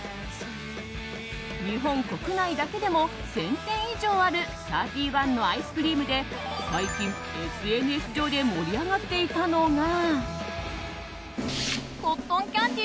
日本国内だけでも１０００店以上あるサーティーワンのアイスクリームで最近ＳＮＳ上で盛り上がっていたのが。